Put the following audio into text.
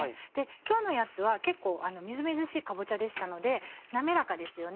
今日のやつは結構みずみずしいかぼちゃでしたので滑らかですよね。